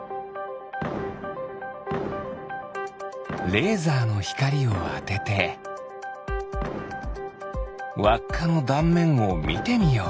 レーザーのひかりをあててわっかのだんめんをみてみよう。